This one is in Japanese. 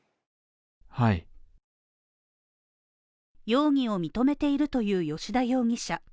容疑を認めているという葭田容疑者。